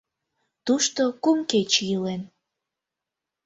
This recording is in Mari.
Тушто кум кече илен.